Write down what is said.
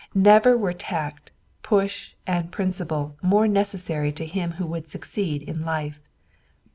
Never were tact, push and principle more necessary to him who would succeed in life.